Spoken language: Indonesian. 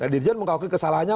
dirjen mengakui kesalahannya